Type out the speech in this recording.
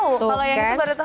kalau yang itu baru tahu